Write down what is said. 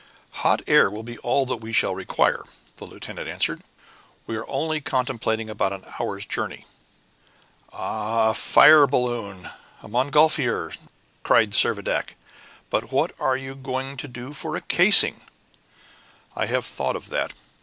"Hot air will be all that we shall require," the lieutenant answered; "we are only contemplating about an hour's journey." "Ah, a fire balloon! A montgolfier!" cried Servadac. "But what are you going to do for a casing?" "I have thought of that.